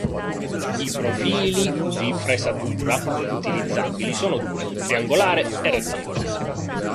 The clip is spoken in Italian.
I profili di fresatura utilizzabili sono due, triangolare e rettangolare.